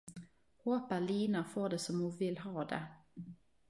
Håper Lina får det som ho vil ha det.